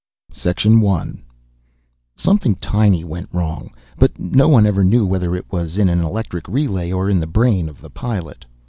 _ 1. Something tiny went wrong, but no one ever knew whether it was in an electric relay or in the brain of the pilot.